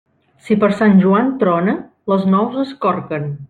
Si per Sant Joan trona, les nous es corquen.